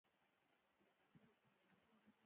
افغانستان د سمندر نه شتون په اړه علمي څېړنې لري.